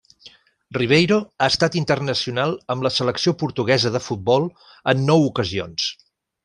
Ribeiro ha estat internacional amb la selecció portuguesa de futbol en nou ocasions.